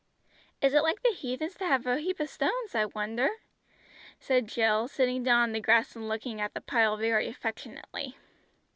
"Is it like the heathens to have a heap of stones, I wonder?" said Jill, sitting down on the grass and looking at the pile very affectionately.